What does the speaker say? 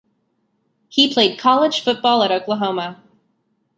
He played college football at Oklahoma.